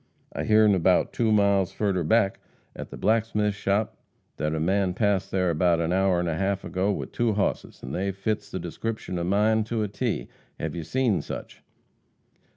I hearn about two miles furder back at the blacksmith's shop that er man passed there about a hour an' a half ago with two hosses, an' they fits the descripshun of mine to a T. Hev you seen sich?"